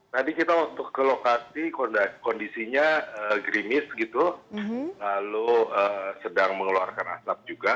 tadi kita waktu ke lokasi kondisinya grimis gitu lalu sedang mengeluarkan asap juga